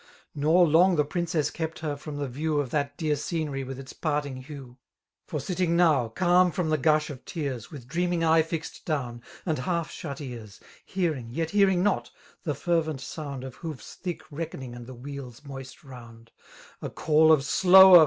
Nor long the princess kept her from the vievr Of that dear scenery with its parting hue;, For sitting now> calm from the gash of tears. With dreaming eye &ed down, and half shut eais, ' Hearings yet heaoing not, the fervetot sound Of hoofs thick reckoning and the wheel's moist ronnd; A call of '* slower!"